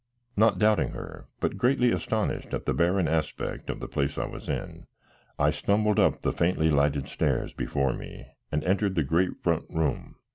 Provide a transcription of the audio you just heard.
Not doubting her, but greatly astonished at the barren aspect of the place I was in, I stumbled up the faintly lighted stairs before me and entered the great front room.